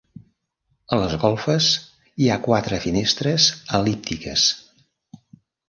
A les golfes hi ha quatre finestres el·líptiques.